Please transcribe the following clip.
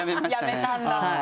やめたんだ。